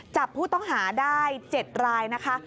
จับผู้ต้องหาได้๗รายนะคะ